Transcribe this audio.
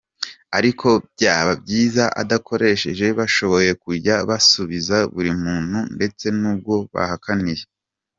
Ariko byaba byiza abakoresha bashoboye kujya basubiza buri muntu ndetse n’uwo bahakaniye.